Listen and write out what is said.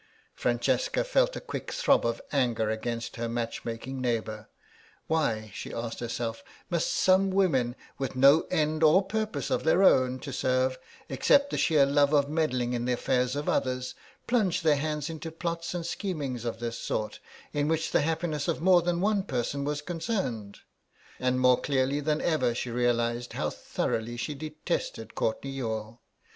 Francesca felt a quick throb of anger against her match making neighbour; why, she asked herself, must some women, with no end or purpose of their own to serve, except the sheer love of meddling in the affairs of others, plunge their hands into plots and schemings of this sort, in which the happiness of more than one person was concerned? And more clearly than ever she realised how thoroughly she detested Courtenay Youghal.